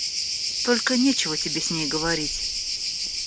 Только нечего тебе с ней говорить.